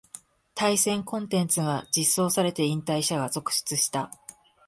対戦コンテンツが実装されて引退者が続出した